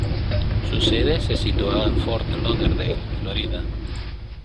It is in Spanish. Su sede se situaba en Fort Lauderdale, Florida.